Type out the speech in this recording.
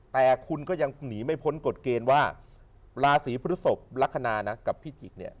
แต่คุณก็ยังหนีไม่พ้นกดเกณฑ์ว่าราศรีพุทธศพลักษณะกับพี่จิก